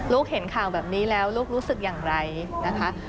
เห็นข่าวแบบนี้แล้วลูกรู้สึกอย่างไรนะคะ